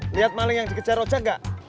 lihat maling yang dikejar ocak gak